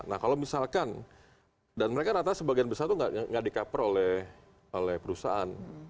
nah kalau misalkan dan mereka rata rata sebagian besar itu nggak dikaper oleh perusahaan